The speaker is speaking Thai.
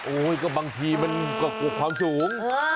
บางทีมันก็กลัวความสูง